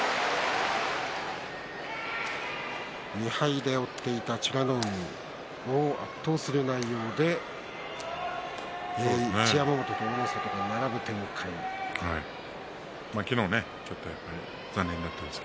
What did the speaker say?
２敗で追っていた美ノ海を圧倒する内容で一山本と大の里が並ぶ展開となっています。